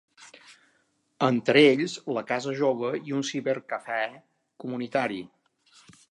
Entre ells la casa Jove i un cibercafè comunitari.